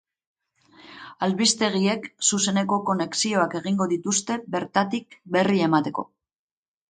Albistegiek zuzeneko konexioak egingo dituzte bertatik berri emateko.